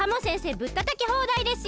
ぶったたきほうだいですよ。